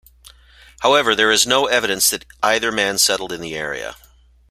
However, there is no evidence that either man settled in the area.